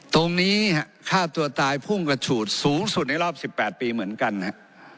ตรงนี้ฆ่าตัวตายพุ่งกระฉูดสูงสุดในรอบ๑๘ปีเหมือนกันนะครับ